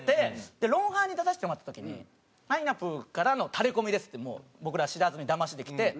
で『ロンハー』に出させてもらった時にあいなぷぅからのタレコミですって僕らは知らずにだましで来て。